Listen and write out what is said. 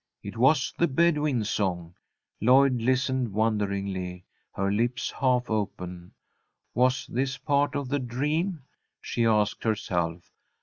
It was the Bedouin song. Lloyd listened wonderingly, her lips half open. Was this part of the dream? she asked herself.